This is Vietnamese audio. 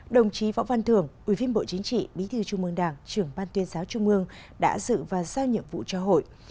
đồng chí võ văn thường ubnd bí thư trung mương đảng trưởng ban tuyên giáo trung mương đã dự và giao nhiệm vụ cho hội